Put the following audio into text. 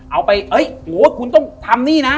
เอาไปโอ้โหคุณต้องทำนี่นะ